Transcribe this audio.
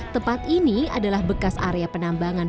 tempat ini adalah bekas area penambangan